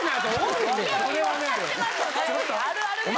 あるあるですから。